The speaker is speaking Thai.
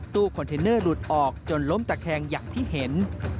ตู้คอนเทนเนอร์หลุดออกจนล้มตะแคงอย่างที่เห็น